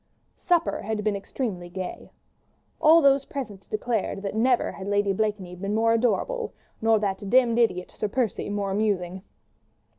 Supper had been extremely gay. All those present declared that never had Lady Blakeney been more adorable, nor that "demmed idiot" Sir Percy more amusing.